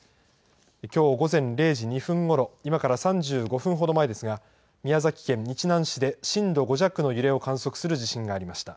きょう、午前０時２分ごろ、今から３５分ほど前ですが、宮崎県日南市で震度５弱の揺れを観測する地震がありました。